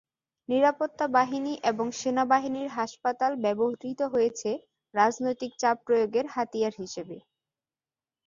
নিরাপত্তা বাহিনী এবং সেনাবাহিনীর হাসপাতাল ব্যবহূত হয়েছে রাজনৈতিক চাপ প্রয়োগের হাতিয়ার হিসেবে।